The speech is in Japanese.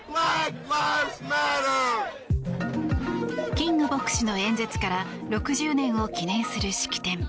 キング牧師の演説から６０年を記念する式典。